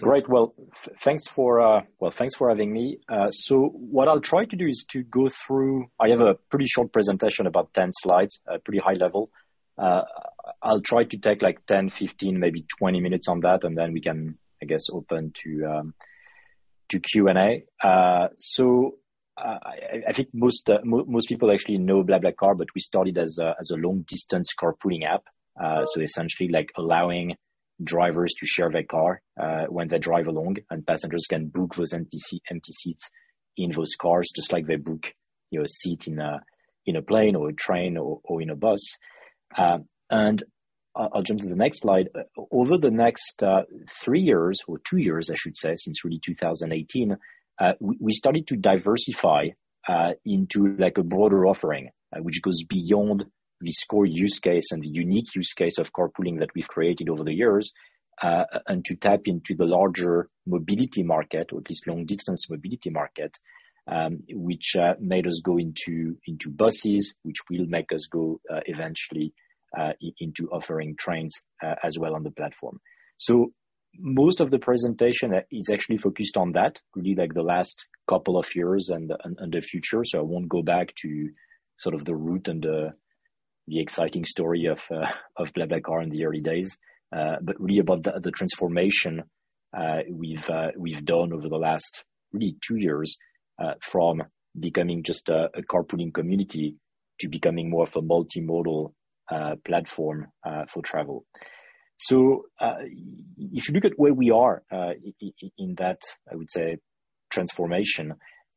Great. Well, thanks for having me. What I'll try to do is to go through. I have a pretty short presentation, about 10 slides, pretty high level. I'll try to take 10, 15, maybe 20 minutes on that, and then we can, I guess, open to Q&A. I think most people actually know BlaBlaCar, but we started as a long-distance carpooling app. Essentially allowing drivers to share their car when they drive along, and passengers can book those empty seats in those cars, just like they book a seat in a plane or a train or in a bus. I'll jump to the next slide. Over the next three years or two years, I should say, since really 2018, we started to diversify into a broader offering, which goes beyond the core use case and the unique use case of carpooling that we've created over the years, and to tap into the larger mobility market, or at least long-distance mobility market, which made us go into buses, which will make us go eventually into offering trains as well on the platform. Most of the presentation is actually focused on that, really the last couple of years and the future. I won't go back to sort of the root and the exciting story of BlaBlaCar in the early days. Really about the transformation we've done over the last really two years from becoming just a carpooling community to becoming more of a multimodal platform for travel. If you look at where we are in that, I would say transformation,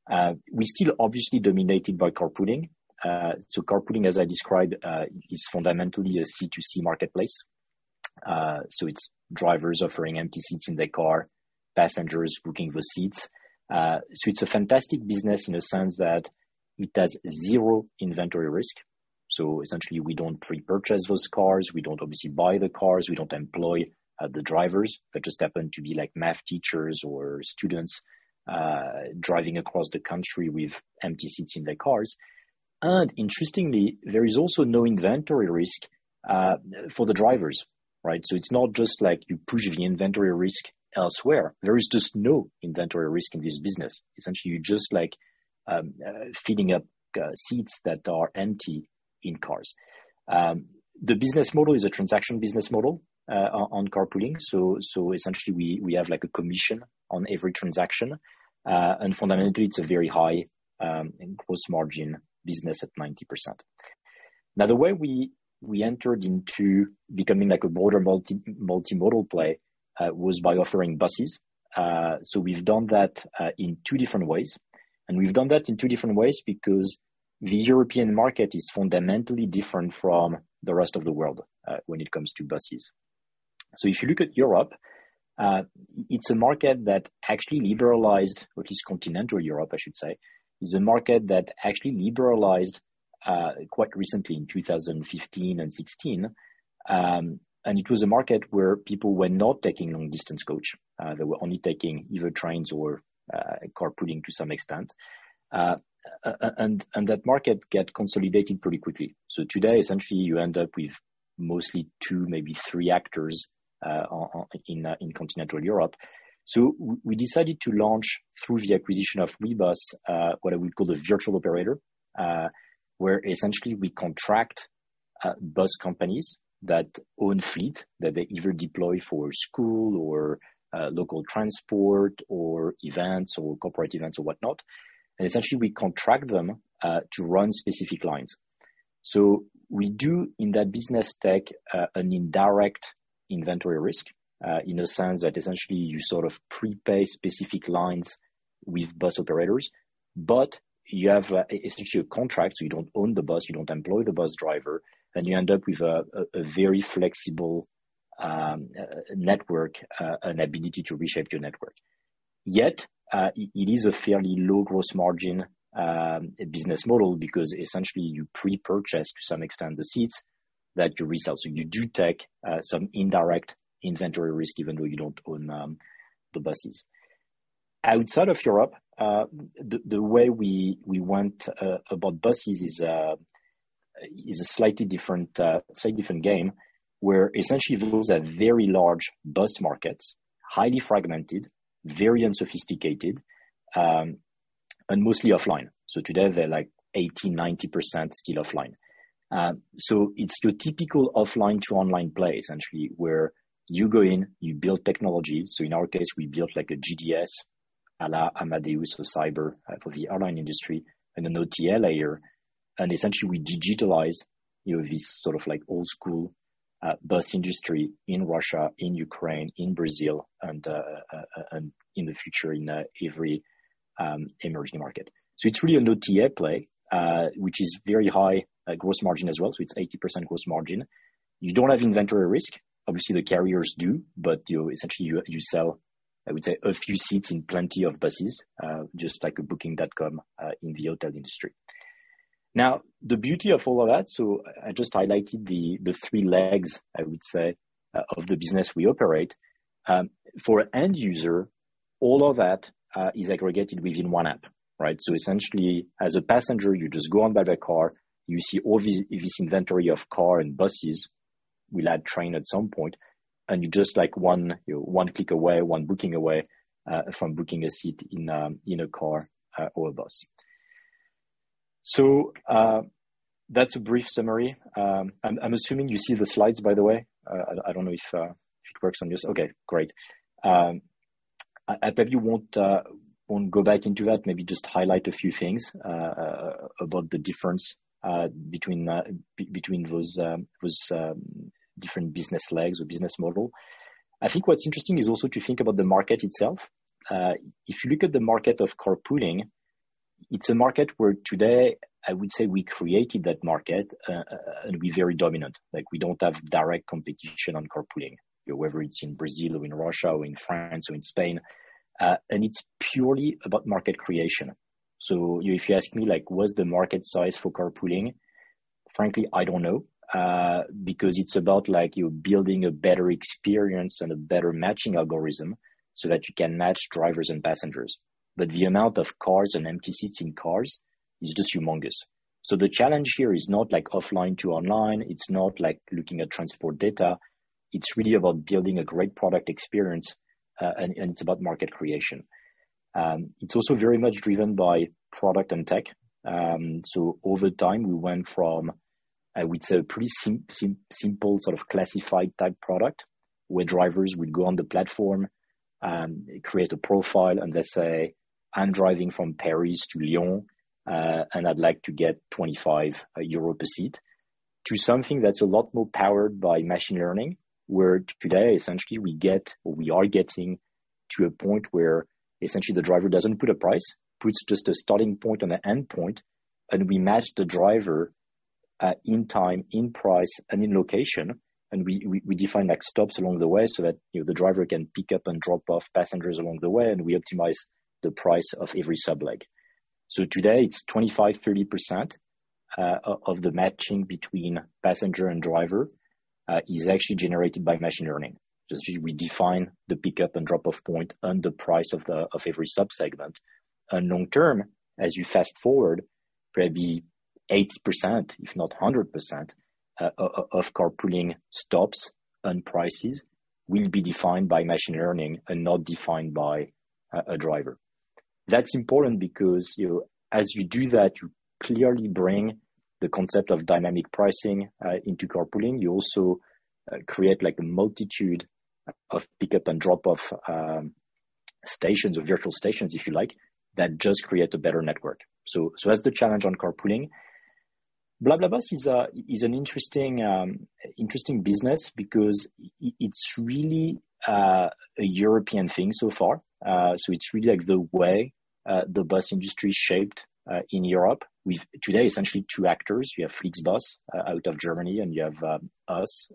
we're still obviously dominated by carpooling. Carpooling, as I described, is fundamentally a C2C marketplace. It's drivers offering empty seats in their car, passengers booking those seats. It's a fantastic business in a sense that it has zero inventory risk. Essentially, we don't pre-purchase those cars. We don't obviously buy the cars. We don't employ the drivers. They just happen to be math teachers or students driving across the country with empty seats in their cars. Interestingly, there is also no inventory risk for the drivers. Right? It's not just like you push the inventory risk elsewhere. There is just no inventory risk in this business. You're just filling up seats that are empty in cars. The business model is a transaction business model on carpooling. Essentially we have a commission on every transaction. Fundamentally, it's a very high gross margin business at 90%. The way we entered into becoming a broader multimodal play was by offering buses. We've done that in two different ways, and we've done that in two different ways because the European market is fundamentally different from the rest of the world when it comes to buses. If you look at Europe, it's a market that actually liberalized, at least continental Europe, I should say, is a market that actually liberalized quite recently in 2015 and 2016. It was a market where people were not taking long-distance coach. They were only taking either trains or carpooling to some extent. That market get consolidated pretty quickly. Today, essentially, you end up with mostly two, maybe three actors in continental Europe. We decided to launch through the acquisition of Ouibus, what I would call the virtual operator, where essentially we contract bus companies that own fleet, that they either deploy for school or local transport or events or corporate events or whatnot. Essentially, we contract them to run specific lines. We do, in that business, take an indirect inventory risk, in a sense that essentially you sort of prepay specific lines with bus operators. You have essentially a contract, so you don't own the bus, you don't employ the bus driver, and you end up with a very flexible network and ability to reshape your network. It is a fairly low gross margin business model because essentially you pre-purchase to some extent the seats that you resell. You do take some indirect inventory risk even though you don't own the buses. Outside of Europe, the way we went about buses is a slightly different game, where essentially those are very large bus markets, highly fragmented, very unsophisticated, and mostly offline. Today they're like 80%, 90% still offline. It's your typical offline to online play, essentially, where you go in, you build technology. In our case, we built like a GDS a la Amadeus for Sabre for the airline industry, and an OTA layer. Essentially, we digitalize this sort of old school bus industry in Russia, in Ukraine, in Brazil, and in the future, in every emerging market. It's really an OTA play, which is very high gross margin as well. It's 80% gross margin. You don't have inventory risk. Obviously, the carriers do, but essentially you sell, I would say, a few seats in plenty of buses, just like a Booking.com in the hotel industry. The beauty of all of that, so I just highlighted the three legs, I would say, of the business we operate. All of that is aggregated within one app, right? Essentially, as a passenger, you just go on BlaBlaCar, you see all this inventory of car and buses. We'll add train at some point, and you're just one click away, one booking away from booking a seat in a car or a bus. That's a brief summary. I'm assuming you see the slides, by the way. I don't know if it works on yours. Okay, great. I probably won't go back into that, maybe just highlight a few things about the difference between those different business legs or business model. I think what's interesting is also to think about the market itself. If you look at the market of carpooling, it's a market where today, I would say we created that market and be very dominant. We don't have direct competition on carpooling, whether it's in Brazil or in Russia or in France or in Spain. It's purely about market creation. If you ask me, what's the market size for carpooling? Frankly, I don't know. It's about you building a better experience and a better matching algorithm so that you can match drivers and passengers. The amount of cars and empty seats in cars is just humongous. The challenge here is not offline to online, it's not looking at transport data, it's really about building a great product experience, and it's about market creation. It's also very much driven by product and tech. Over time, we went from, I would say, a pretty simple sort of classified-type product where drivers would go on the platform and create a profile, and they say, "I'm driving from Paris to Lyon, and I'd like to get 25 euro a seat," to something that's a lot more powered by machine learning, where today, essentially, we are getting to a point where essentially the driver doesn't put a price, puts just a starting point and an end point, and we match the driver in time, in price, and in location, and we define stops along the way so that the driver can pick up and drop off passengers along the way, and we optimize the price of every sub-leg. Today it's 25, 30% of the matching between passenger and driver is actually generated by machine learning. We define the pickup and drop-off point and the price of every subsegment. Long term, as you fast-forward, maybe 80%, if not 100%, of carpooling stops and prices will be defined by machine learning and not defined by a driver. That's important because as you do that, you clearly bring the concept of dynamic pricing into carpooling. You also create a multitude of pickup and drop-off stations or virtual stations, if you like, that just create a better network. That's the challenge on carpooling. BlaBlaBus is an interesting business because it's really a European thing so far. It's really the way the bus industry is shaped in Europe with today, essentially two actors. We have FlixBus out of Germany, and you have us.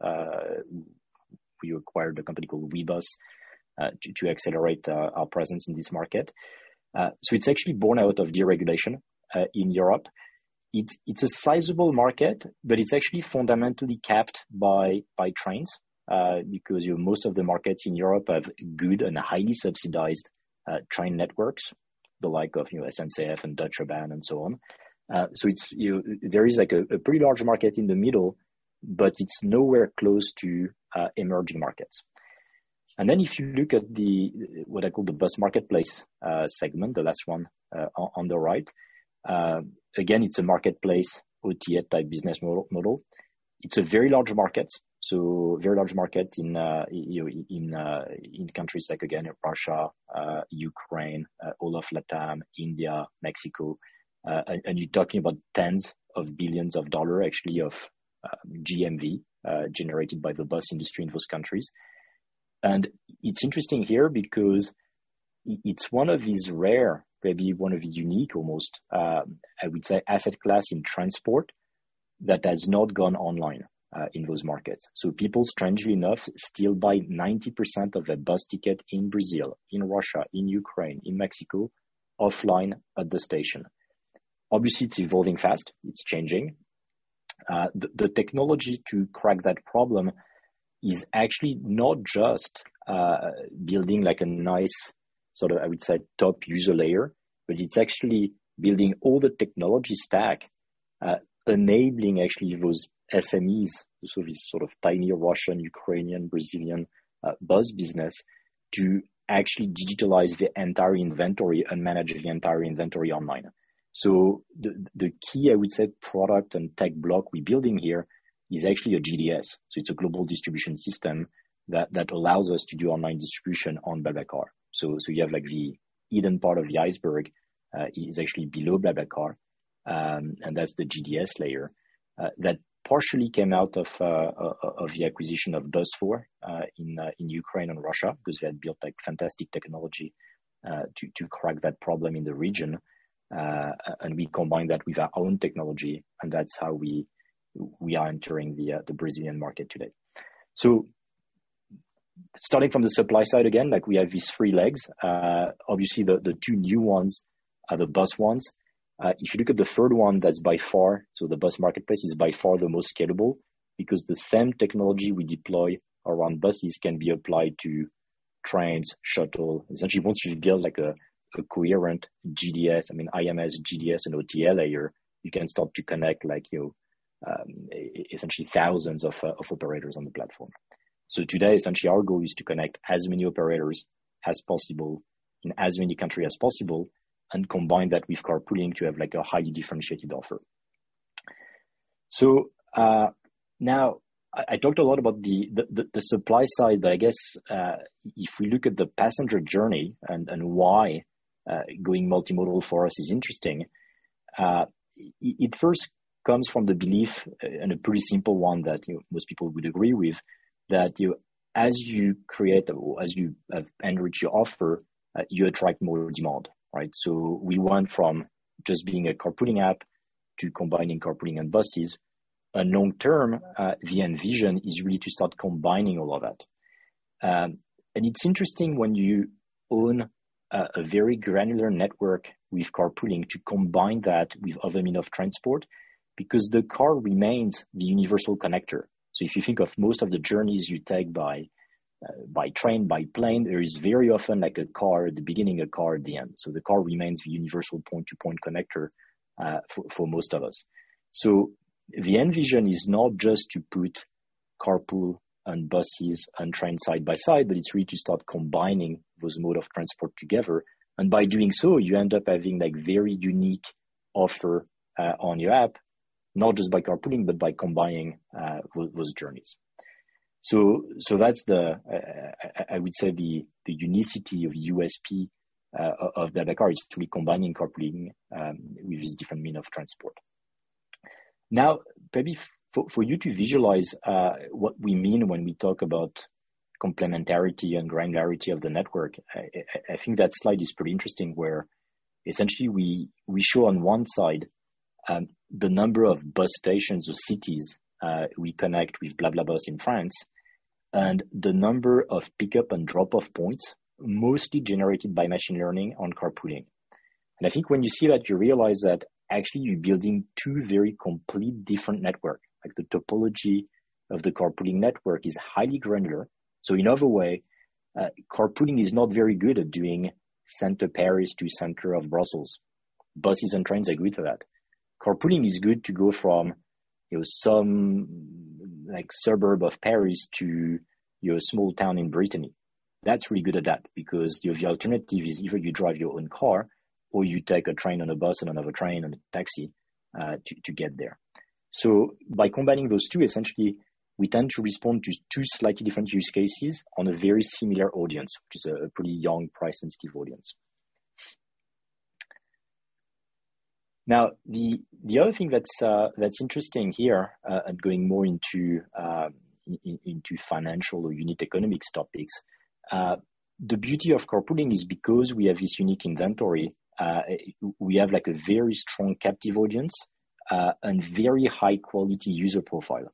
We acquired a company called Ouibus to accelerate our presence in this market. It's actually born out of deregulation in Europe. It's a sizable market, it's actually fundamentally capped by trains. Most of the markets in Europe have good and highly subsidized train networks, the like of SNCF and Deutsche Bahn and so on. There is a pretty large market in the middle, it's nowhere close to emerging markets. If you look at the, what I call the bus marketplace segment, the last one on the right. Again, it's a marketplace OTA-type business model. It's a very large market in countries like, again, Russia, Ukraine, all of LATAM, India, Mexico. You're talking about tens of billions of euros actually of GMV generated by the bus industry in those countries. It's interesting here because it's one of these rare, maybe one of the unique almost I would say asset class in transport that has not gone online in those markets. People, strangely enough, still buy 90% of their bus ticket in Brazil, in Russia, in Ukraine, in Mexico, offline at the station. It's evolving fast. It's changing. The technology to crack that problem is actually not just building a nice sort of, I would say, top user layer, but it's actually building all the technology stack enabling actually those SMEs, so these sort of tiny Russian, Ukrainian, Brazilian bus business to actually digitalize the entire inventory and manage the entire inventory online. The key, I would say, product and tech block we're building here is actually a GDS. It's a global distribution system that allows us to do online distribution on BlaBlaCar. You have the hidden part of the iceberg is actually below BlaBlaCar, and that's the GDS layer. That partially came out of the acquisition of Busfor in Ukraine and Russia because they had built fantastic technology to crack that problem in the region. We combined that with our own technology, and that's how we are entering the Brazilian market today. Starting from the supply side again, we have these three legs. Obviously, the two new ones are the bus ones. If you look at the third one, the bus marketplace is by far the most scalable, because the same technology we deploy around buses can be applied to trains, shuttle. Essentially, once you build a coherent GDS, IMS, GDS, and OTA layer, you can start to connect essentially thousands of operators on the platform. Today, essentially, our goal is to connect as many operators as possible in as many country as possible, and combine that with carpooling to have a highly differentiated offer. Now, I talked a lot about the supply side, but I guess if we look at the passenger journey and why going multimodal for us is interesting. It first comes from the belief, and a pretty simple one that most people would agree with, that as you enrich your offer, you attract more demand, right? We went from just being a carpooling app to combining carpooling and buses. Long-term, the end vision is really to start combining all of that. It's interesting when you own a very granular network with carpooling to combine that with other means of transport, because the car remains the universal connector. If you think of most of the journeys you take by train, by plane, there is very often a car at the beginning, a car at the end. The car remains the universal point-to-point connector for most of us. The end vision is not just to put carpool and buses and train side by side, but it's really to start combining those mode of transport together. By doing so, you end up having very unique offer on your app, not just by carpooling, but by combining those journeys. That's, I would say, the unicity of USP of BlaBlaCar, is to be combining carpooling with these different mean of transport. Now, maybe for you to visualize what we mean when we talk about complementarity and granularity of the network, I think that slide is pretty interesting, where essentially we show on one side the number of bus stations or cities we connect with BlaBlaBus in France, and the number of pickup and drop-off points, mostly generated by machine learning on carpooling. I think when you see that, you realize that actually you're building two very complete different network. The topology of the carpooling network is highly granular. In other way, carpooling is not very good at doing center Paris to center of Brussels. Buses and trains are good for that. Carpooling is good to go from some suburb of Paris to your small town in Brittany. That's really good at that because your alternative is either you drive your own car or you take a train and a bus and another train and a taxi to get there. By combining those two, essentially, we tend to respond to two slightly different use cases on a very similar audience, which is a pretty young, price-sensitive audience. The other thing that's interesting here, and going more into financial or unit economics topics. The beauty of carpooling is because we have this unique inventory, we have a very strong captive audience, and very high quality user profile.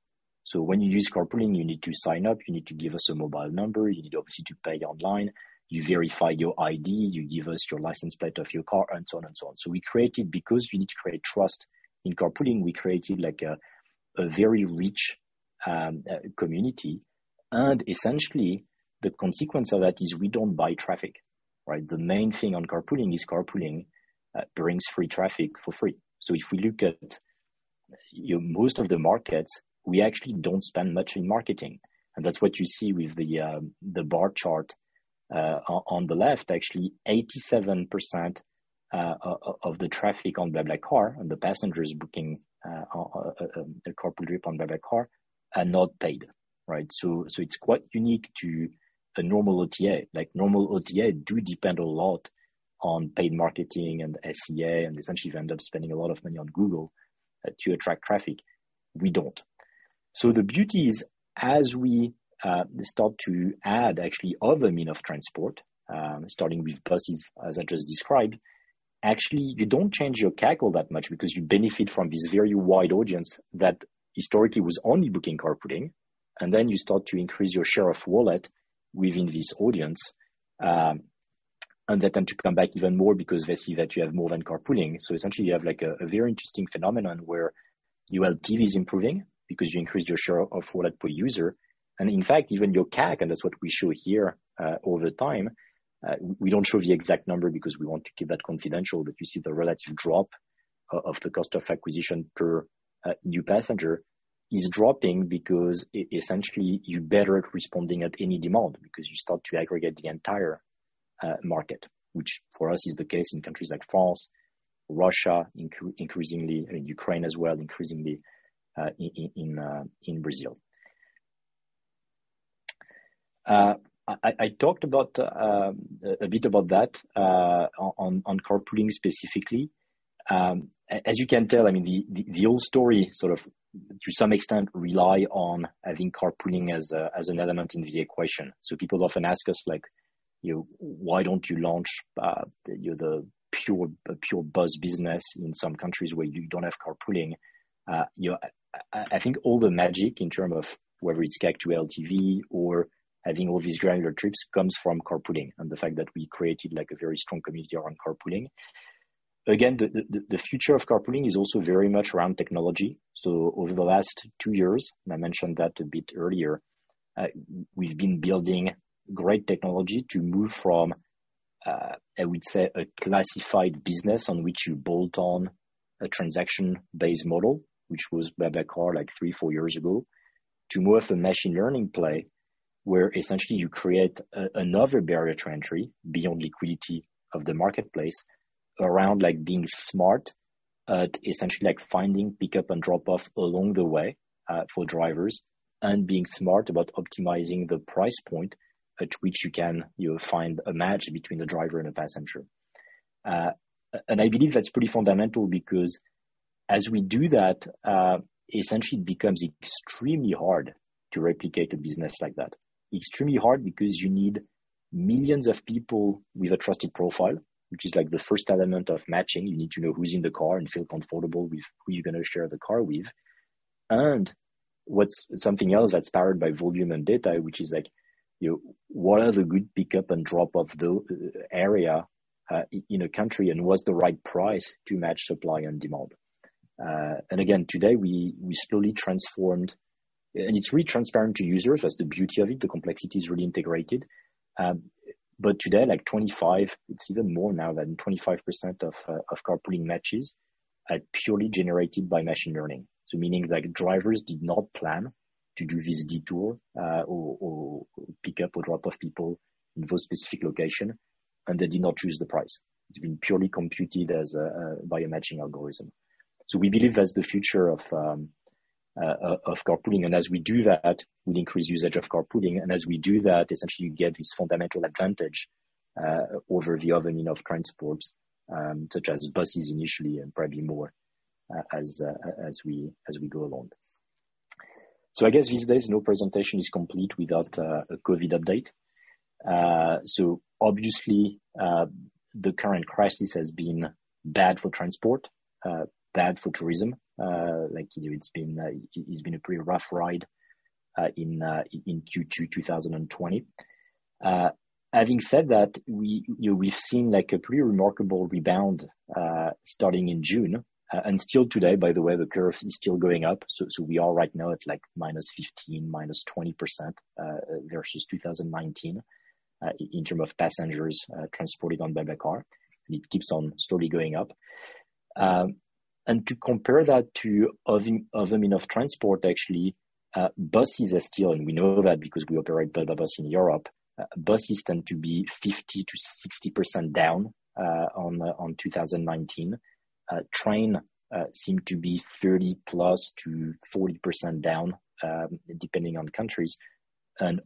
When you use carpooling, you need to sign up, you need to give us a mobile number, you need obviously to pay online, you verify your ID, you give us your license plate of your car, and so on and so on. We created, because we need to create trust in carpooling, we created a very rich community, and essentially, the consequence of that is we don't buy traffic, right? The main thing on carpooling is carpooling brings free traffic for free. If we look at most of the markets, we actually don't spend much in marketing, and that's what you see with the bar chart on the left. Actually, 87% of the traffic on BlaBlaCar, and the passengers booking a carpool trip on BlaBlaCar are not paid, right? It's quite unique to a normal OTA. Normal OTA do depend a lot on paid marketing and SEA, and essentially they end up spending a lot of money on Google to attract traffic. We don't. The beauty is, as we start to add actually other mean of transport, starting with buses, as I just described, actually, you don't change your CAC all that much because you benefit from this very wide audience that historically was only booking carpooling, and then you start to increase your share of wallet within this audience. They tend to come back even more because they see that you have more than carpooling. Essentially you have a very interesting phenomenon where your LTV is improving because you increase your share of wallet per user. In fact, even your CAC, and that's what we show here, over time. We don't show the exact number because we want to keep that confidential, but you see the relative drop of the cost of acquisition per new passenger is dropping because essentially you're better at responding at any demand because you start to aggregate the entire market. Which for us is the case in countries like France, Russia increasingly, Ukraine as well, increasingly in Brazil. I talked a bit about that on carpooling specifically. As you can tell, the old story sort of to some extent rely on having carpooling as an element in the equation. People often ask us, "Why don't you launch the pure bus business in some countries where you don't have carpooling?" I think all the magic in terms of whether it's CAC to LTV or having all these granular trips comes from carpooling and the fact that we created a very strong community around carpooling. The future of carpooling is also very much around technology. Over the last two years, and I mentioned that a bit earlier, we've been building great technology to move from, I would say, a classified business on which you bolt on a transaction-based model, which was BlaBlaCar three, four years ago, to more of a machine learning play, where essentially you create another barrier to entry beyond liquidity of the marketplace around being smart at essentially finding pickup and drop off along the way for drivers and being smart about optimizing the price point at which you can find a match between a driver and a passenger. I believe that's pretty fundamental because as we do that, essentially it becomes extremely hard to replicate a business like that. Extremely hard because you need millions of people with a trusted profile, which is the first element of matching. You need to know who's in the car and feel comfortable with who you're going to share the car with. What's something else that's powered by volume and data, which is like, what are the good pickup and drop off area in a country, and what's the right price to match supply and demand? Again, today, we slowly transformed, and it's really transparent to users. That's the beauty of it. The complexity is really integrated. Today, it's even more now than 25% of carpooling matches are purely generated by machine learning. Meaning drivers did not plan to do this detour or pick up or drop off people in those specific location, and they did not choose the price. It's been purely computed by a matching algorithm. We believe that's the future of carpooling. As we do that, we increase usage of carpooling. As we do that, essentially, you get this fundamental advantage over the other means of transport such as buses initially and probably more as we go along. I guess these days, no presentation is complete without a COVID update. Obviously, the current crisis has been bad for transport, bad for tourism. It's been a pretty rough ride in Q2 2020. Having said that, we've seen a pretty remarkable rebound starting in June. Still today, by the way, the curve is still going up. We are right now at -15%, -20% versus 2019 in terms of passengers transported on BlaBlaCar. It keeps on slowly going up. To compare that to other means of transport, actually, buses are still, and we know that because we operate BlaBlaBus in Europe. Buses tend to be 50%-60% down on 2019. Train seem to be 30%+ to 40% down depending on countries.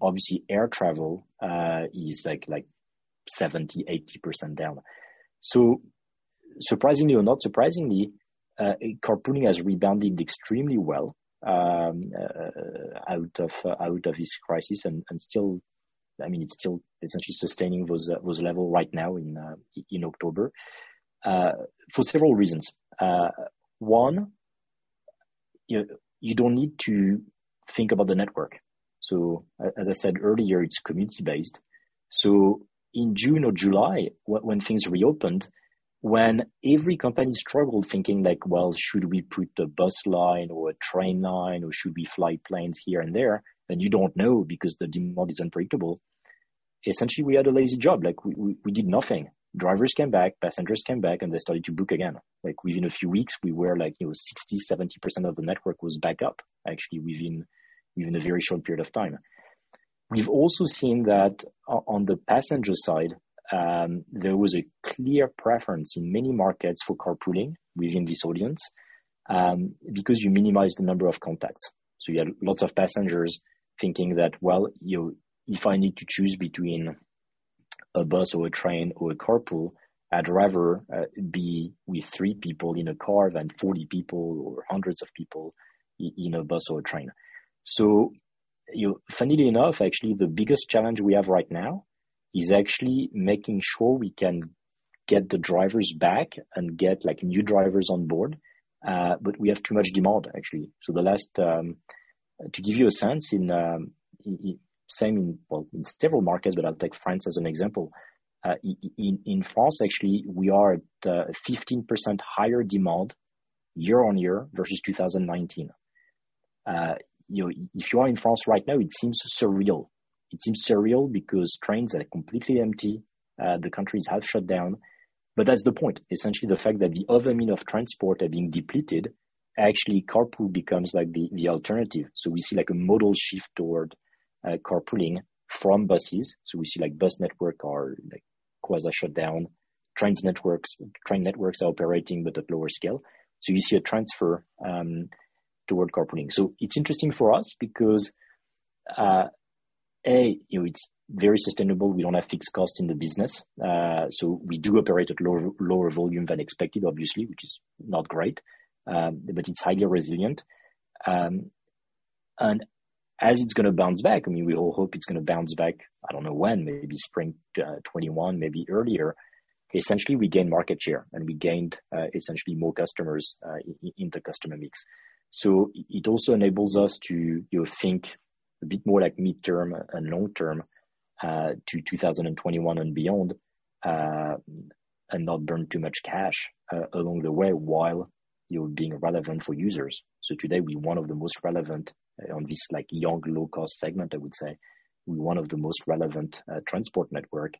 Obviously air travel is 70%-80% down. Surprisingly or not surprisingly, carpooling has rebounded extremely well out of this crisis and it's still essentially sustaining those level right now in October for several reasons. One, you don't need to think about the network. As I said earlier, it's community-based. In June or July when things reopened, when every company struggled thinking like, "Well, should we put a bus line or a train line, or should we fly planes here and there?" You don't know because the demand is unpredictable. Essentially, we had a lazy job. We did nothing. Drivers came back, passengers came back, and they started to book again. Within a few weeks, 60%-70% of the network was back up actually within a very short period of time. We've also seen that on the passenger side there was a clear preference in many markets for carpooling within this audience because you minimize the number of contacts. You had lots of passengers thinking that, well, if I need to choose between a bus or a train or a carpool, I'd rather be with three people in a car than 40 people or hundreds of people in a bus or a train. Funnily enough, actually, the biggest challenge we have right now is actually making sure we can get the drivers back and get new drivers on board. We have too much demand, actually. To give you a sense in several markets, but I'll take France as an example. In France, actually, we are at 15% higher demand year-over-year versus 2019. If you are in France right now, it seems surreal. It seems surreal because trains are completely empty. The country is half shut down. That's the point. Essentially, the fact that the other mean of transport are being depleted, actually carpool becomes the alternative. We see a model shift toward carpooling from buses. We see bus network are quasi shut down. Train networks are operating but at lower scale. You see a transfer toward carpooling. It's interesting for us because, A, it's very sustainable. We don't have fixed costs in the business. We do operate at lower volume than expected, obviously, which is not great. It's highly resilient. And as it's going to bounce back, we all hope it's going to bounce back, I don't know when, maybe spring 2021, maybe earlier. Essentially, we gained market share, and we gained essentially more customers in the customer mix. It also enables us to think a bit more like midterm and long-term, to 2021 and beyond, and not burn too much cash along the way while being relevant for users. Today, we're one of the most relevant on this young, low-cost segment, I would say, we're one of the most relevant transport network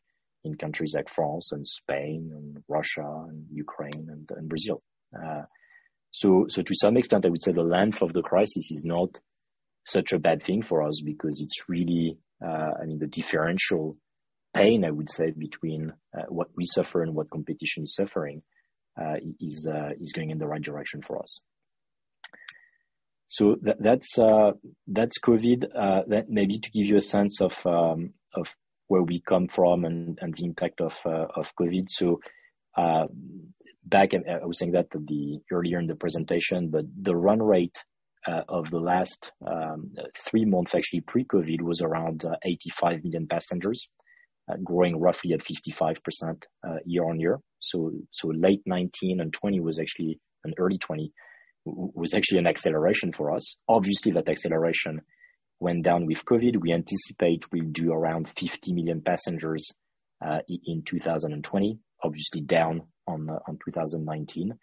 in countries like France and Spain and Russia and Ukraine and Brazil. To some extent, I would say the length of the crisis is not such a bad thing for us because it's really the differential pain, I would say, between what we suffer and what competition is suffering is going in the right direction for us. That's COVID. Maybe to give you a sense of where we come from and the impact of COVID. Back, I was saying that earlier in the presentation, the run rate of the last three months, actually pre-COVID, was around 85 million passengers, growing roughly at 55% year on year. Late 2019 and early 2020 was actually an acceleration for us. Obviously, that acceleration went down with COVID. We anticipate we'll do around 50 million passengers in 2020, obviously down on 2019.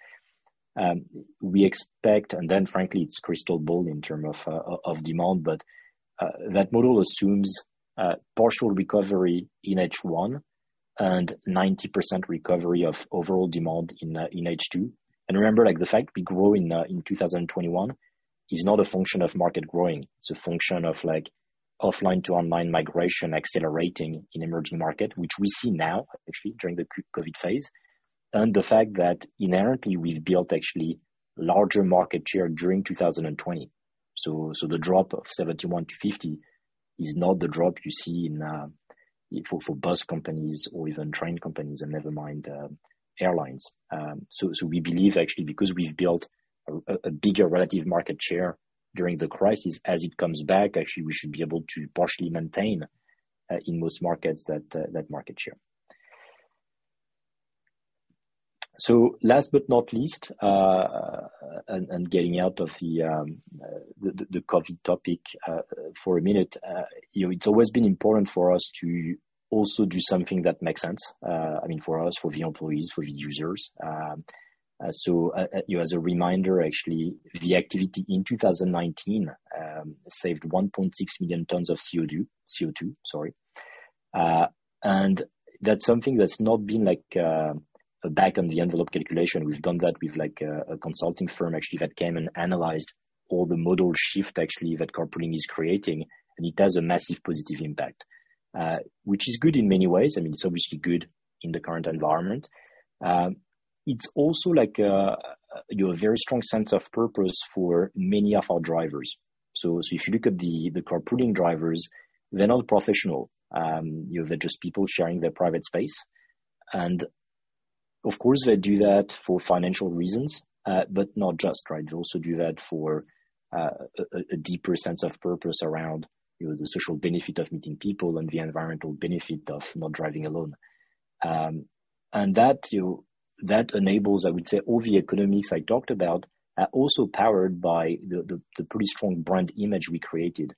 We expect, frankly it's crystal ball in term of demand, that model assumes partial recovery in H1 and 90% recovery of overall demand in H2. Remember, the fact we grow in 2021 is not a function of market growing. It's a function of offline to online migration accelerating in emerging market, which we see now, actually, during the COVID phase. The fact that inherently, we've built actually larger market share during 2020. The drop of 71-50 is not the drop you see for bus companies or even train companies and never mind airlines. We believe actually because we've built a bigger relative market share during the crisis, as it comes back, actually we should be able to partially maintain in most markets that market share. Last but not least, and getting out of the COVID topic for a minute. It's always been important for us to also do something that makes sense, I mean for us, for the employees, for the users. As a reminder, actually, the activity in 2019 saved 1.6 million tons of CO2, and that's something that's not been a back on the envelope calculation. We've done that with a consulting firm, actually, that came and analyzed all the model shift, actually, that carpooling is creating. It has a massive positive impact, which is good in many ways. It's obviously good in the current environment. It's also a very strong sense of purpose for many of our drivers. If you look at the carpooling drivers, they're not professional. They're just people sharing their private space. Of course, they do that for financial reasons. Not just, they also do that for a deeper sense of purpose around the social benefit of meeting people and the environmental benefit of not driving alone. That enables, I would say, all the economics I talked about are also powered by the pretty strong brand image we created.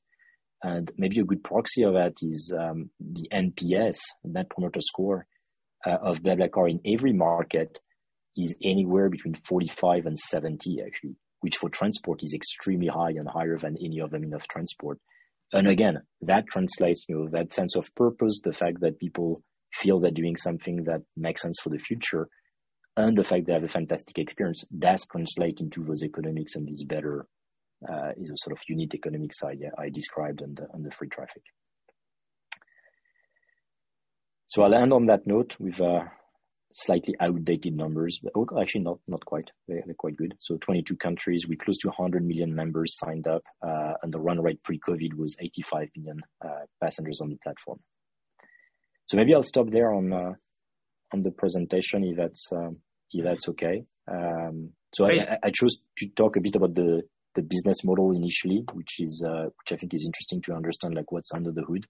Maybe a good proxy of that is the NPS, net promoter score, of BlaBlaCar in every market is anywhere between 45 and 70 actually, which for transport is extremely high and higher than any other mean of transport. Again, that translates that sense of purpose, the fact that people feel they're doing something that makes sense for the future, and the fact they have a fantastic experience, that translates into those economics and this better sort of unique economics idea I described on the free traffic. I'll end on that note with slightly outdated numbers, but actually not quite. They're quite good. 22 countries with close to 100 million members signed up, and the run rate pre-COVID was 85 million passengers on the platform. Maybe I'll stop there on the presentation if that's okay. Great. I chose to talk a bit about the business model initially, which I think is interesting to understand what's under the hood.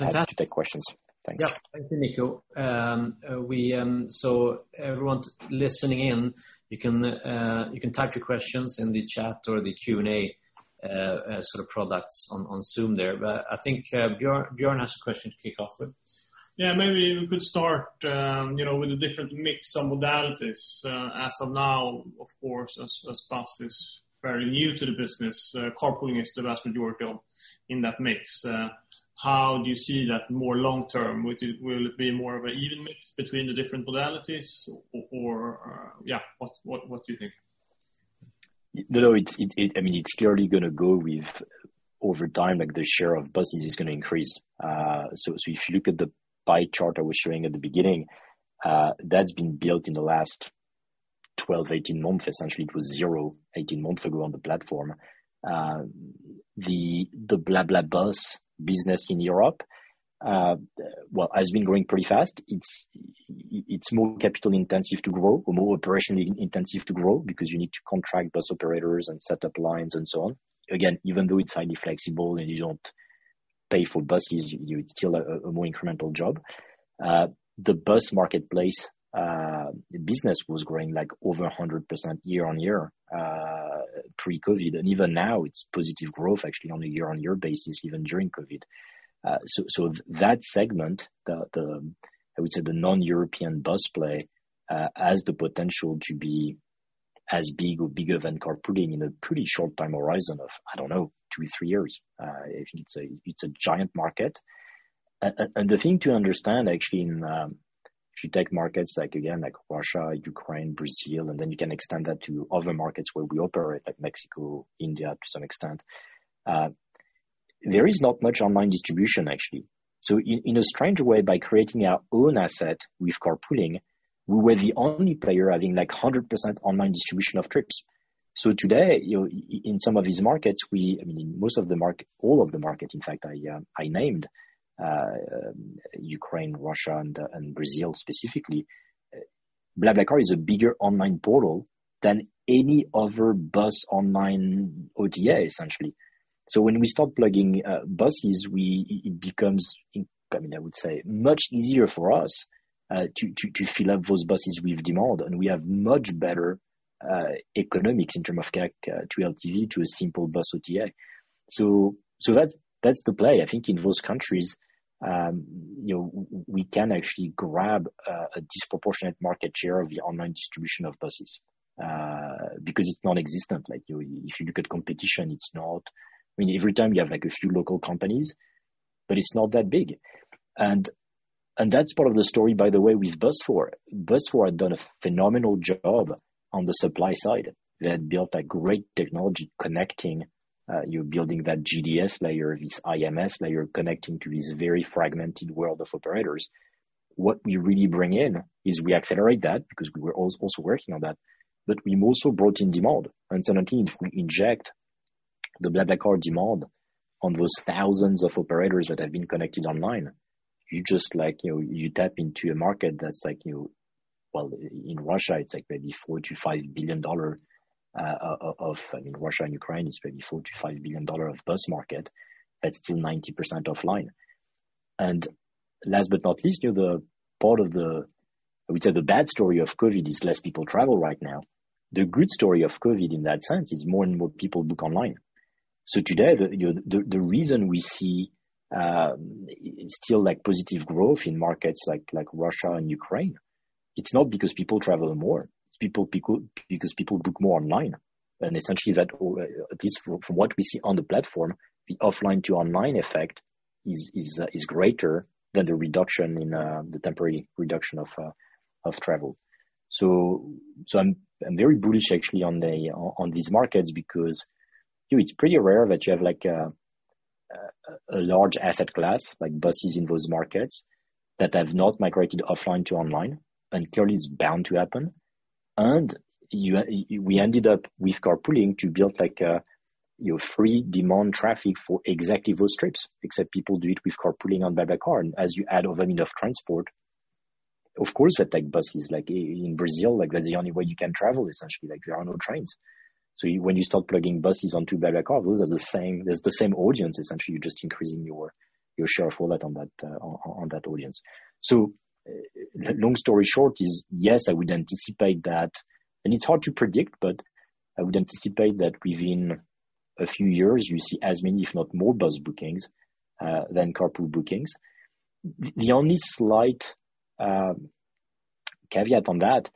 Happy to take questions. Thanks. Yeah. Thank you, Nico. Everyone listening in, you can type your questions in the chat or the Q&A sort of products on Zoom there. I think Björn has a question to kick off with. Yeah, maybe we could start with the different mix of modalities. As of now, of course, as bus is fairly new to the business, carpooling is the vast majority in that mix. How do you see that more long-term? Will it be more of an even mix between the different modalities? What do you think? It's clearly going to go with over time, the share of buses is going to increase. If you look at the pie chart I was showing at the beginning, that's been built in the last 12, 18 months essentially. It was zero 18 months ago on the platform. The BlaBlaBus business in Europe has been growing pretty fast. It's more capital intensive to grow or more operationally intensive to grow because you need to contract bus operators and set up lines and so on. Again, even though it's highly flexible and you don't pay for buses, it's still a more incremental job. The bus marketplace business was growing like over 100% year-on-year pre-COVID, and even now it's positive growth actually on a year-on-year basis, even during COVID. That segment, I would say the non-European bus play, has the potential to be as big or bigger than carpooling in a pretty short time horizon of, I don't know, two to three years. It's a giant market. The thing to understand actually in, if you take markets again like Russia, Ukraine, Brazil, and then you can extend that to other markets where we operate, like Mexico, India to some extent. There is not much online distribution, actually. In a strange way, by creating our own asset with carpooling, we were the only player having 100% online distribution of trips. Today, in some of these markets, all of the markets, in fact, I named Ukraine, Russia and Brazil specifically, BlaBlaCar is a bigger online portal than any other bus online OTA, essentially. When we start plugging buses, it becomes, I would say, much easier for us to fill up those buses with demand. We have much better economics in terms of CAC to LTV to a simple bus OTA. That's the play, I think in those countries, we can actually grab a disproportionate market share of the online distribution of buses, because it's nonexistent. If you look at competition, every time you have a few local companies, but it's not that big. That's part of the story, by the way, with Busfor. Busfor had done a phenomenal job on the supply side. They had built a great technology connecting, you're building that GDS layer, this IMS layer, connecting to this very fragmented world of operators. What we really bring in is we accelerate that because we were also working on that. We also brought in demand. Suddenly, if we inject the BlaBlaCar demand on those thousands of operators that have been connected online, you tap into a market that's like, well, in Russia, it's like maybe $4 billion-$5 billion. Russia and Ukraine is maybe $4 billion-$5 billion of bus market, that's still 90% offline. Last but not least, I would say the bad story of COVID is less people travel right now. The good story of COVID in that sense is more and more people book online. Today, the reason we see still positive growth in markets like Russia and Ukraine, it's not because people travel more. It's because people book more online. Essentially, at least from what we see on the platform, the offline to online effect is greater than the temporary reduction of travel. I'm very bullish actually on these markets because it's pretty rare that you have a large asset class, like buses in those markets, that have not migrated offline to online, and clearly it's bound to happen. We ended up with carpooling to build free demand traffic for exactly those trips, except people do it with carpooling on BlaBlaCar. As you add a volume of transport, of course, they take buses. Like in Brazil, that's the only way you can travel, essentially. There are no trains. When you start plugging buses onto BlaBlaCar, that's the same audience, essentially. You're just increasing your share of wallet on that audience. Long story short is, yes, I would anticipate that. It's hard to predict, but I would anticipate that within a few years, you see as many, if not more bus bookings, than carpool bookings. The only slight caveat on that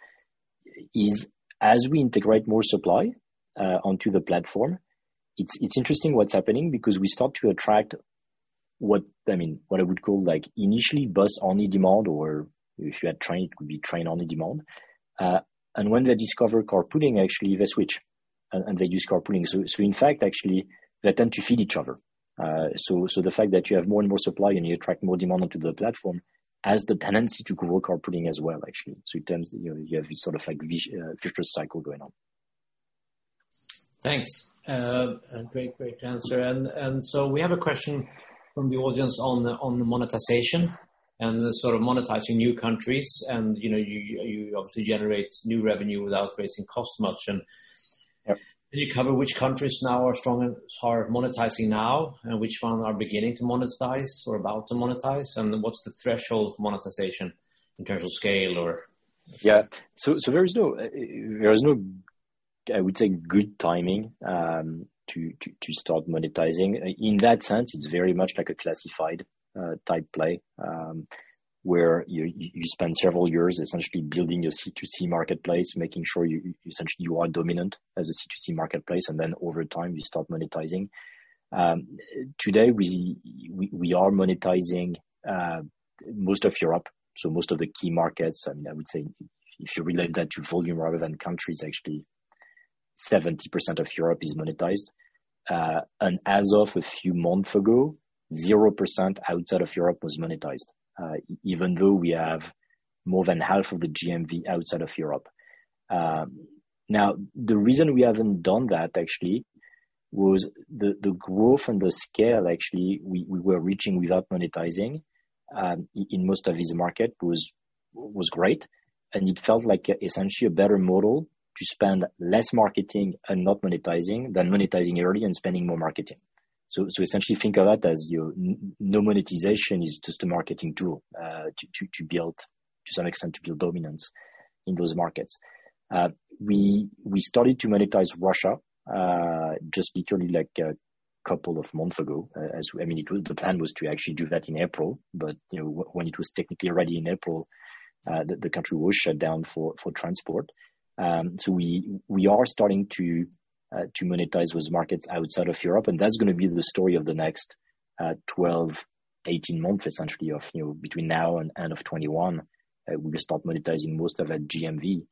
is as we integrate more supply onto the platform, it is interesting what is happening because we start to attract what I would call initially bus-only demand, or if you had train, it could be train-only demand. When they discover carpooling, actually, they switch and they use carpooling. In fact, actually, they tend to feed each other. The fact that you have more and more supply and you attract more demand onto the platform has the tendency to grow carpooling as well, actually. In terms, you have this sort of vicious cycle going on. Thanks. A great answer. We have a question from the audience on the monetization and sort of monetizing new countries. You obviously generate new revenue without raising cost much. Yeah. Can you cover which countries now are strong and are monetizing now, and which ones are beginning to monetize or about to monetize, and then what's the threshold monetization in terms of scale or? Yeah. There is no, I would say, good timing to start monetizing. In that sense, it's very much like a classified type play, where you spend several years essentially building your C2C marketplace, making sure essentially you are dominant as a C2C marketplace, and then over time you start monetizing. Today, we are monetizing most of Europe, so most of the key markets. I would say if you relate that to volume rather than countries, actually 70% of Europe is monetized. As of a few months ago, 0% outside of Europe was monetized. Even though we have more than half of the GMV outside of Europe. The reason we haven't done that actually was the growth and the scale actually we were reaching without monetizing in most of this market was great, and it felt like essentially a better model to spend less marketing and not monetizing than monetizing early and spending more marketing. Essentially think of that as your no monetization is just a marketing tool to some extent to build dominance in those markets. We started to monetize Russia just literally a couple of months ago. The plan was to actually do that in April, but when it was technically ready in April, the country was shut down for transport. We are starting to monetize those markets outside of Europe, and that's going to be the story of the next 12, 18 months, essentially of between now and end of 2021, we will start monetizing most of that GMV.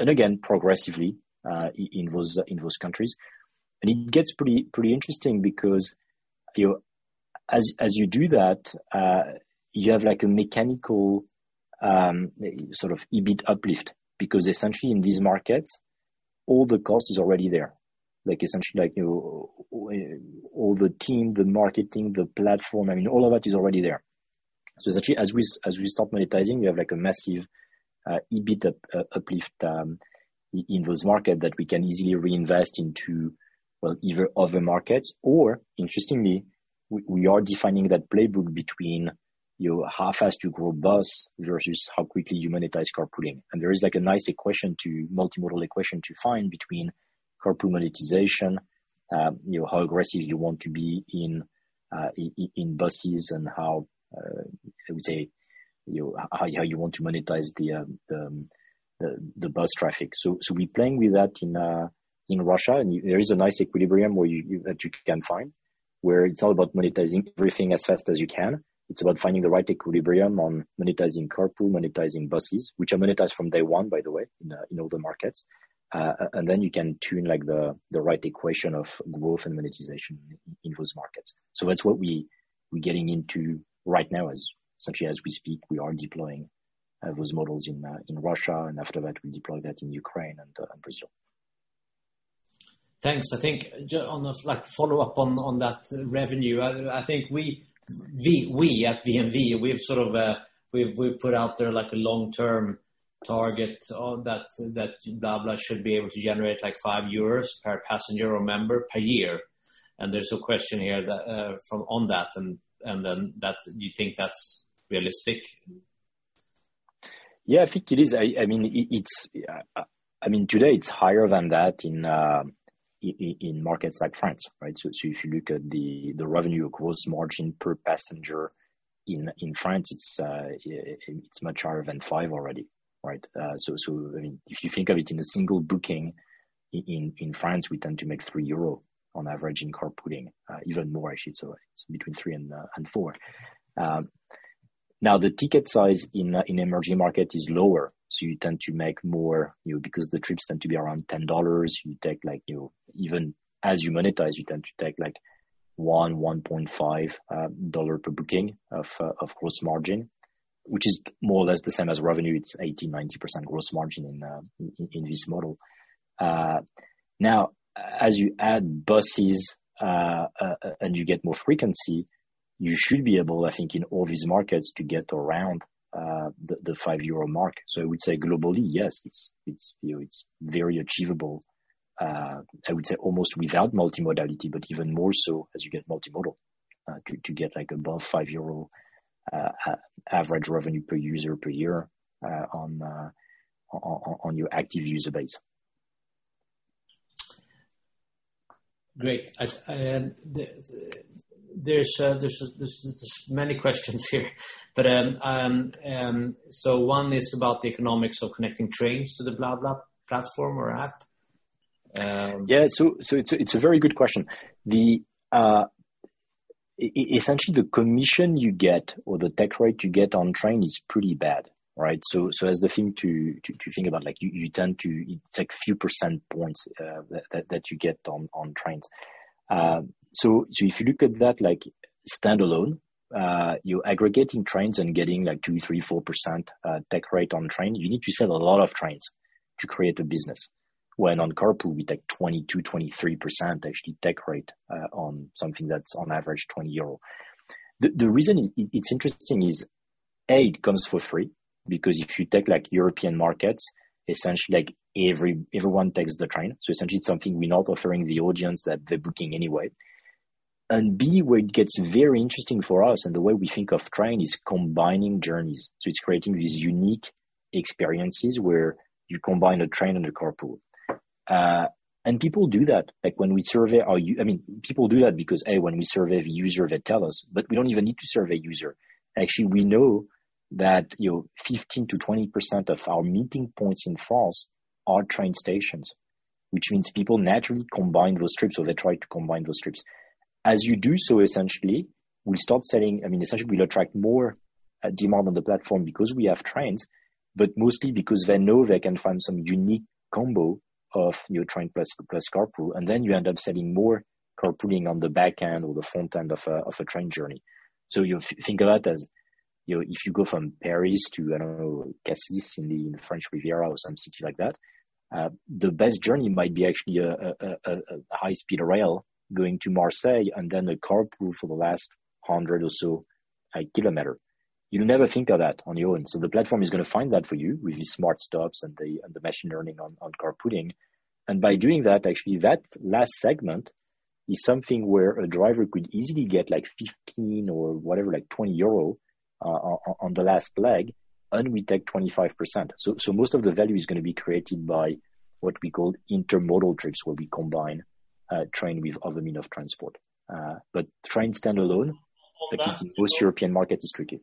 Again, progressively in those countries. It gets pretty interesting because as you do that, you have a mechanical EBIT uplift because essentially in these markets, all the cost is already there. Essentially all the team, the marketing, the platform, all of that is already there. Essentially as we start monetizing, we have a massive EBIT uplift in those market that we can easily reinvest into, well, either other markets or interestingly, we are defining that playbook between how fast you grow bus versus how quickly you monetize carpooling. There is a nice multimodal equation to find between carpool monetization, how aggressive you want to be in buses and how you want to monetize the bus traffic. We're playing with that in Russia and there is a nice equilibrium that you can find where it's all about monetizing everything as fast as you can. It's about finding the right equilibrium on monetizing carpool, monetizing buses, which are monetized from day one by the way in all the markets. You can tune the right equation of growth and monetization in those markets. That's what we getting into right now essentially as we speak we are deploying those models in Russia and after that we deploy that in Ukraine and Brazil. Thanks. I think just on a follow-up on that revenue. I think we at VNV, we've put out there a long-term target that BlaBla should be able to generate 5 euros per passenger or member per year. There's a question here on that and then do you think that's realistic? Yeah, I think it is. Today it's higher than that in markets like France, right? If you look at the revenue gross margin per passenger in France it's much higher than five already, right? If you think of it in a single booking in France we tend to make 3 euro on average in carpooling, even more actually, so it's between three and four. The ticket size in emerging market is lower so you tend to make more because the trips tend to be around EUR 10, even as you monetize you tend to take like one, EUR 1.50 per booking of gross margin which is more or less the same as revenue it's 80%, 90% gross margin in this model. As you add buses and you get more frequency you should be able I think in all these markets to get around the 5 euro mark. I would say globally yes it's very achievable I would say almost without multimodality but even more so as you get multimodal to get above EUR five average revenue per user per year on your active user base. Great. There's many questions here. One is about the economics of connecting trains to the BlaBla platform or app. It's a very good question. Essentially the commission you get or the take rate you get on train is pretty bad, right? As the thing to think about like you tend to take a few percent points that you get on trains. If you look at that standalone, you're aggregating trains and getting 2%, 3%, 4% take rate on train you need to sell a lot of trains to create a business when on carpool we take 22%, 23% actually take rate on something that's on average 20 euro. The reason it's interesting is A, it comes for free because if you take European markets essentially everyone takes the train so essentially it's something we're not offering the audience that they're booking anyway. B, where it gets very interesting for us and the way we think of train is combining journeys so it's creating these unique experiences where you combine a train and a carpool. People do that because A, when we survey the user they tell us but we don't even need to survey user actually we know that 15%-20% of our meeting points in France are train stations which means people naturally combine those trips or they try to combine those trips. As you do so essentially we start selling, essentially we attract more demand on the platform because we have trains but mostly because they know they can find some unique combo of your train plus carpool and then you end up selling more carpooling on the back end or the front end of a train journey. You think of that as if you go from Paris to, I don't know, Cassis in the French Riviera or some city like that, the best journey might be actually a high-speed rail going to Marseille and then a carpool for the last 100 or so kilometer. You'll never think of that on your own. The platform is going to find that for you with the smart stops and the machine learning on carpooling. By doing that, actually, that last segment is something where a driver could easily get 15 or whatever, like 20 euro on the last leg, and we take 25%. Most of the value is going to be created by what we call intermodal trips, where we combine train with other means of transport. Train standalone, at least in most European markets, is tricky.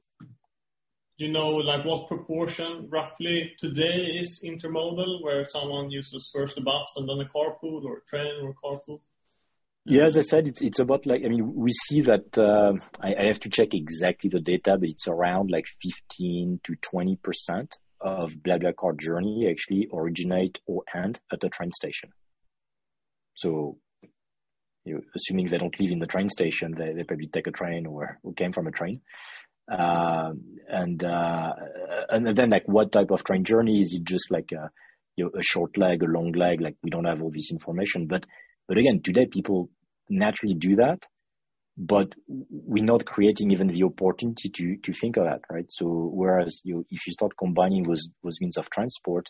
Do you know what proportion roughly today is intermodal, where someone uses first a bus and then a carpool or a train or a carpool? As I said, I have to check exactly the data, but it's around 15%-20% of BlaBlaCar journey actually originate or end at the train station. Assuming they don't live in the train station, they probably take a train or came from a train. What type of train journey? Is it just a short leg, a long leg? We don't have all this information. Today people naturally do that, but we're not creating even the opportunity to think of that, right? Whereas if you start combining with means of transport,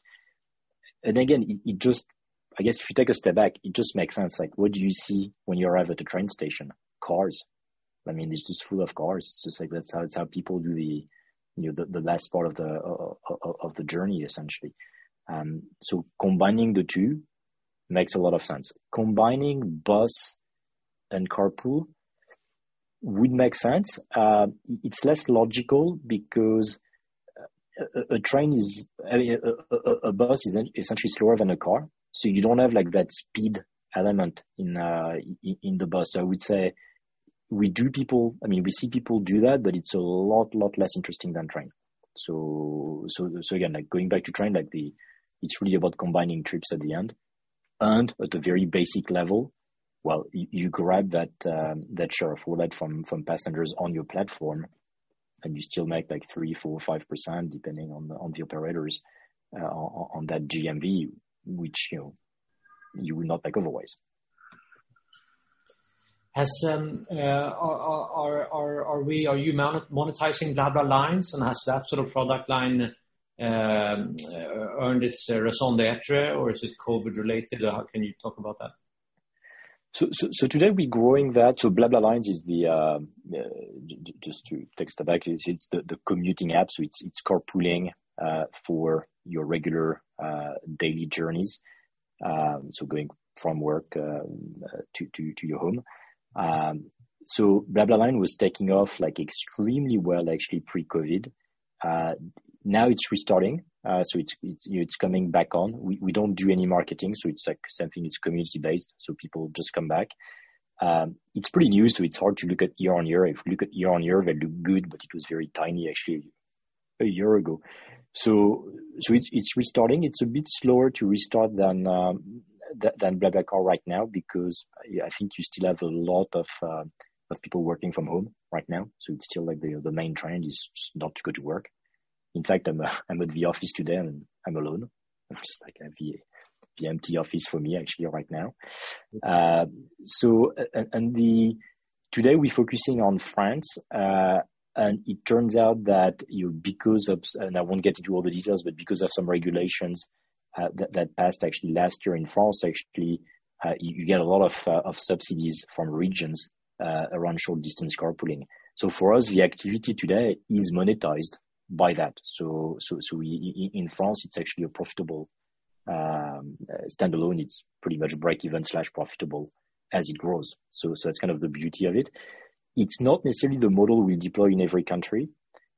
again, I guess if you take a step back, it just makes sense. What do you see when you arrive at the train station? Cars. It's just full of cars. It's just like that's how people do the last part of the journey, essentially. Combining the two makes a lot of sense. Combining bus and carpool would make sense. It's less logical because a bus is essentially slower than a car, so you don't have that speed element in the bus. I would say, we see people do that, but it's a lot less interesting than train. Again, going back to train, it's really about combining trips at the end. At the very basic level, while you grab that share of wallet from passengers on your platform, and you still make 3%, 4%, 5% depending on the operators on that GMV, which you will not take otherwise. Are you monetizing BlaBlaLines, and has that sort of product line earned its raison d'être, or is it COVID-related? Can you talk about that? Today we're growing that. BlaBlaLines is the, just to take a step back, it's the commuting app. It's carpooling for your regular daily journeys, so going from work to your home. BlaBlaLines was taking off extremely well, actually pre-COVID. Now it's restarting. It's coming back on. We don't do any marketing, it's something that's community-based. People just come back. It's pretty new, it's hard to look at year-on-year. If you look at year-on-year, they look good, but it was very tiny actually a year ago. It's restarting. It's a bit slower to restart than BlaBlaCar right now because I think you still have a lot of people working from home right now. It's still the main trend is not to go to work. In fact, I'm at the office today and I'm alone. It's just like the empty office for me actually right now. Today we're focusing on France. It turns out that because of, and I won't get into all the details, but because of some regulations that passed actually last year in France, actually, you get a lot of subsidies from regions around short-distance carpooling. For us, the activity today is monetized by that. In France, it's actually a profitable standalone. It's pretty much break-even/profitable as it grows. That's kind of the beauty of it. It's not necessarily the model we deploy in every country,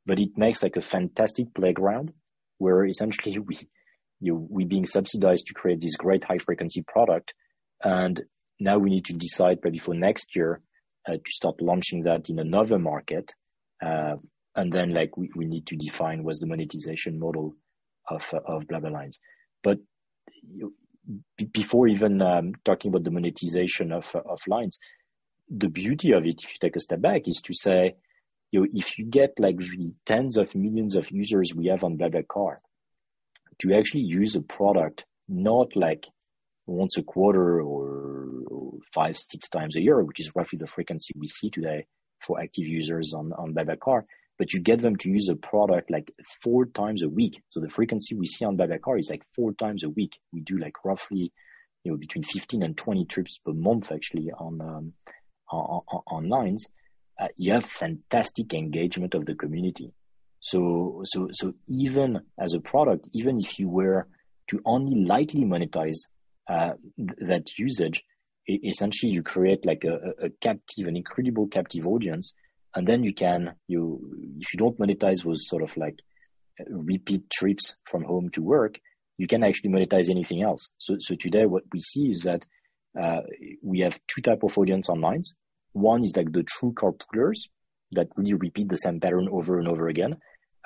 but it makes a fantastic playground where essentially we're being subsidized to create this great high-frequency product, and now we need to decide probably for next year to start launching that in another market. Then we need to define what's the monetization model of BlaBlaLines. Before even talking about the monetization of Lines, the beauty of it, if you take a step back, is to say, if you get the tens of millions of users we have on BlaBlaCar to actually use a product not once a quarter or five, six times a year, which is roughly the frequency we see today for active users on BlaBlaCar, you get them to use a product four times a week. The frequency we see on BlaBlaCar is four times a week. We do roughly between 15 and 20 trips per month, actually, on Lines. You have fantastic engagement of the community. Even as a product, even if you were to only lightly monetize that usage, essentially you create an incredible captive audience, and then if you don't monetize those sort of repeat trips from home to work, you can actually monetize anything else. Today what we see is that we have two type of audience on BlaBlaLines. One is the true carpoolers that really repeat the same pattern over and over again.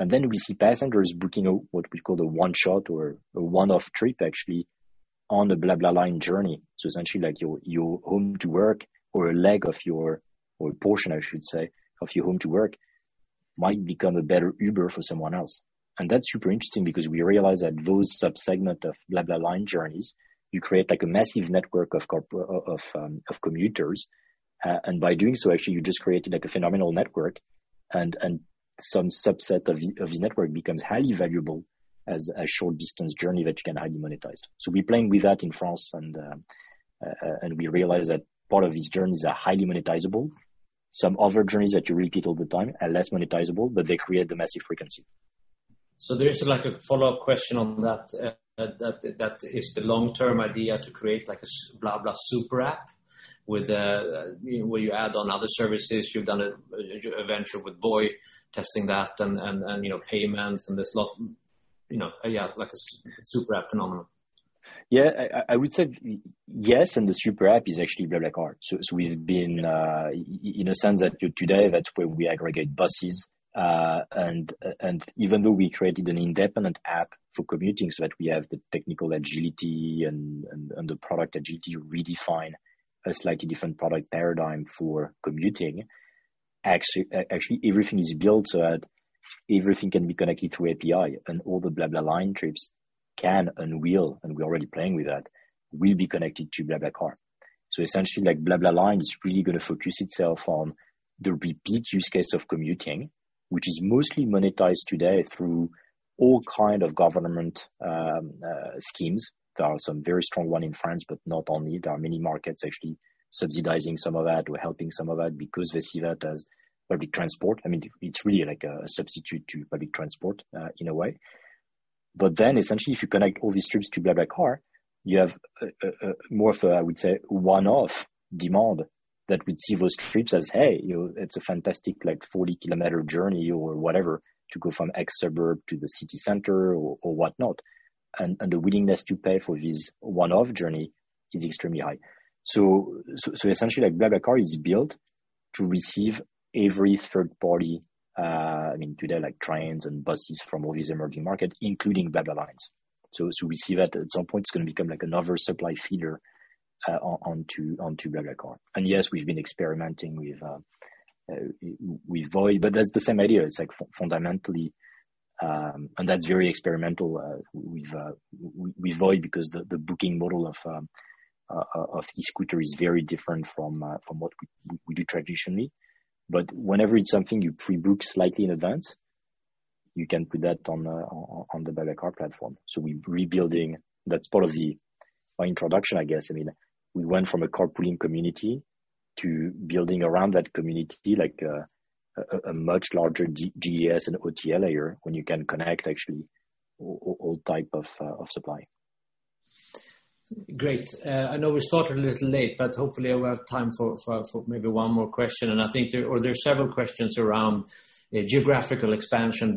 Then we see passengers booking what we call the one-shot or a one-off trip actually on the BlaBlaLine journey. Essentially, your home to work, or a leg of your, or a portion, I should say, of your home to work might become a better Uber for someone else. That's super interesting because we realize that those sub-segment of BlaBlaLine journeys, you create a massive network of commuters. By doing so, actually, you just created a phenomenal network and some subset of this network becomes highly valuable as a short distance journey that you can highly monetize. We're playing with that in France, and we realize that part of these journeys are highly monetizable. Some other journeys that you repeat all the time are less monetizable, but they create the massive frequency. There is a follow-up question on that. That is the long-term idea to create a BlaBla super app where you add on other services. You've done a venture with Voi testing that, and payments and there's lot. Yeah, like a super app phenomenon. I would say yes, and the super app is actually BlaBlaCar. We've been, in a sense that today that's where we aggregate buses. Even though we created an independent app for commuting so that we have the technical agility and the product agility to redefine a slightly different product paradigm for commuting. Actually, everything is built so that everything can be connected through API, and all the BlaBlaLine trips can and will, and we're already playing with that, will be connected to BlaBlaCar. Essentially, BlaBlaLine is really going to focus itself on the repeat use case of commuting, which is mostly monetized today through all kind of government schemes. There are some very strong one in France, but not only. There are many markets actually subsidizing some of that or helping some of that because they see that as public transport. It's really like a substitute to public transport, in a way. Essentially, if you connect all these trips to BlaBlaCar, you have more of a, I would say, one-off demand that would see those trips as, hey, it's a fantastic 40-kilometer journey or whatever to go from X suburb to the city center or whatnot. The willingness to pay for this one-off journey is extremely high. Essentially, BlaBlaCar is built to receive every third party, today trains and buses from all these emerging markets, including BlaBlaLines. We see that at some point it's going to become another supply feeder onto BlaBlaCar. Yes, we've been experimenting with Voi, that's the same idea. That's very experimental with Voi because the booking model of e-scooter is very different from what we do traditionally. Whenever it's something you pre-book slightly in advance, you can put that on the BlaBlaCar platform. We're rebuilding. That's part of my introduction, I guess. We went from a carpooling community to building around that community, like a much larger GDS and OTA layer when you can connect actually all type of supply. Great. I know we started a little late, hopefully we have time for maybe one more question. I think there are several questions around geographical expansion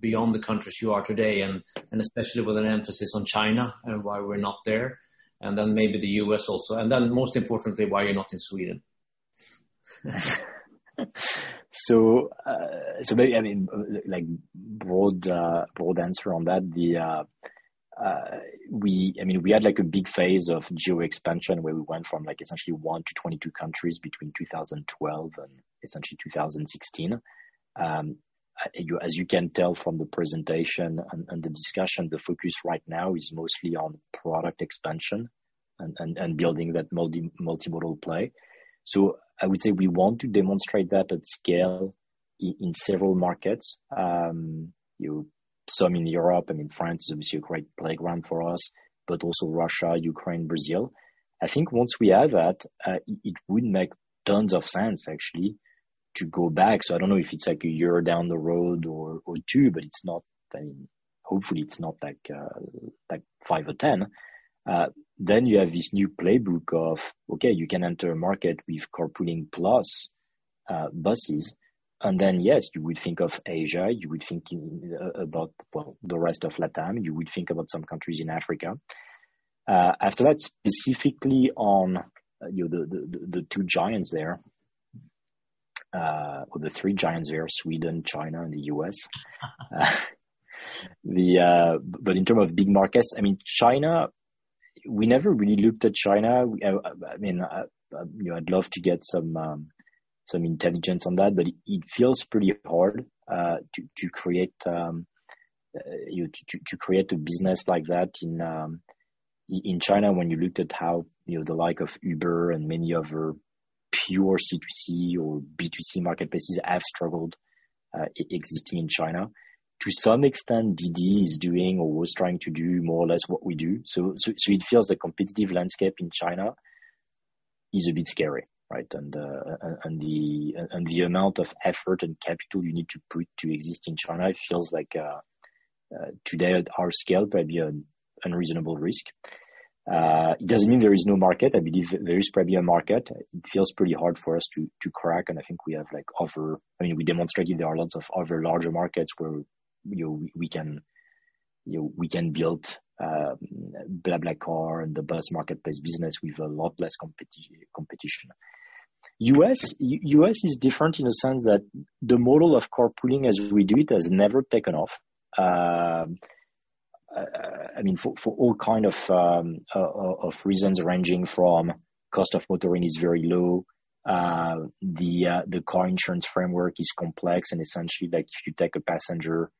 beyond the countries you are today, and especially with an emphasis on China and why we're not there. Maybe the U.S. also. Most importantly, why you're not in Sweden. Broad answer on that. We had a big phase of geo expansion where we went from essentially one to 22 countries between 2012 and essentially 2016. As you can tell from the presentation and the discussion, the focus right now is mostly on product expansion and building that multimodal play. I would say we want to demonstrate that at scale in several markets. Some in Europe and in France is obviously a great playground for us, but also Russia, Ukraine, Brazil. I think once we have that, it would make tons of sense, actually, to go back. I don't know if it's a year down the road or two, but hopefully it's not five or 10. You have this new playbook of, okay, you can enter a market with carpooling plus buses. Yes, you would think of Asia, you would think about the rest of LATAM, you would think about some countries in Africa. After that, specifically on the two giants there, or the three giants there, Sweden, China and the U.S. In terms of big markets, China, we never really looked at China. I'd love to get some intelligence on that, but it feels pretty hard to create a business like that in China when you looked at how the likes of Uber and many other pure C2C or B2C marketplaces have struggled existing in China. To some extent, DiDi is doing or was trying to do more or less what we do. It feels the competitive landscape in China is a bit scary, right? The amount of effort and capital you need to put to exist in China, it feels like today at our scale, probably an unreasonable risk. It doesn't mean there is no market. There is probably a market. It feels pretty hard for us to crack. I think we demonstrated there are lots of other larger markets where we can build BlaBlaCar and the bus marketplace business with a lot less competition. U.S. is different in the sense that the model of carpooling as we do it has never taken off. I mean, for all kind of reasons, ranging from cost of motoring is very low. The car insurance framework is complex and essentially if you take a passenger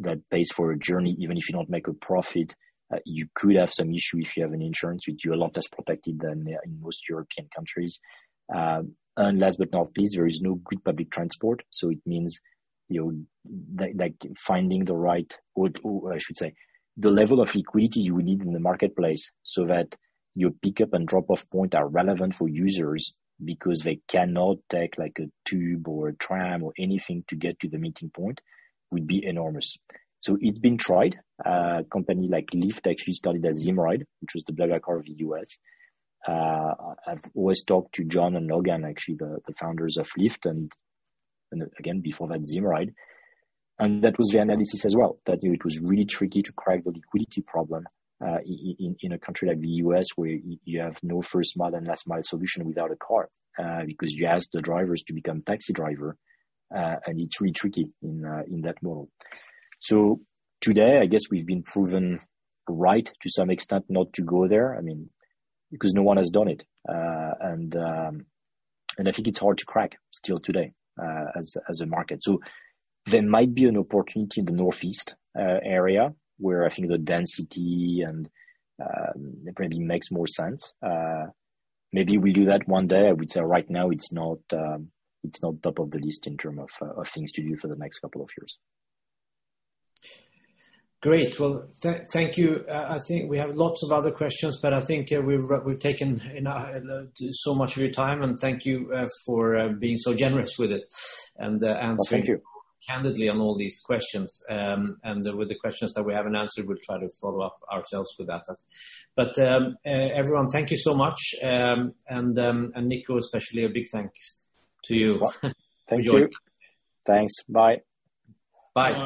that pays for a journey, even if you not make a profit, you could have some issue if you have an insurance, which you're a lot less protected than in most European countries. Last but not least, there is no good public transport. It means finding the right, or I should say the level of liquidity you would need in the marketplace so that your pickup and drop-off point are relevant for users because they cannot take a tube or a tram or anything to get to the meeting point would be enormous. It's been tried. A company like Lyft actually started as Zimride, which was the BlaBlaCar of the U.S. I have always talked to John and Logan, actually the founders of Lyft and again, before that Zimride, and that was the analysis as well, that it was really tricky to crack the liquidity problem in a country like the U.S. where you have no first mile and last mile solution without a car, because you ask the drivers to become taxi driver, and it's really tricky in that model. Today, I guess we've been proven right to some extent not to go there, I mean, because no one has done it. I think it's hard to crack still today as a market. There might be an opportunity in the Northeast area where I think the density and probably makes more sense. Maybe we do that one day. I would say right now it's not top of the list in terms of things to do for the next couple of years. Great. Well, thank you. I think we have lots of other questions, I think we've taken so much of your time and thank you for being so generous with it and answering. Thank you. candidly on all these questions. With the questions that we haven't answered, we'll try to follow up ourselves with that. Everyone, thank you so much. Nico, especially, a big thanks to you. Thank you. Enjoy. Thanks. Bye. Bye.